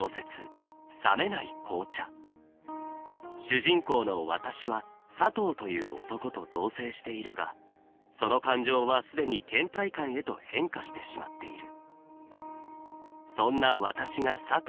主人公の「わたし」は「サトウ」という男と同棲しているがその感情は既に倦怠感へと変化してしまっている。